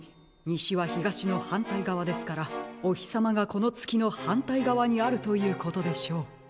にしはひがしのはんたいがわですからお日まがこのつきのはんたいがわにあるということでしょう。